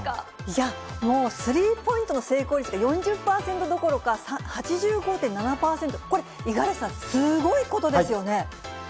いや、もうスリーポイントの成功率で４０％どころか８５．７％、これ、五十嵐さん、すごいことですよね。